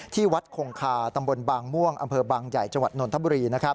ที่วัดคงคาตำบลบางม่วงอำเภอบางใหญ่จังหวัดนนทบุรี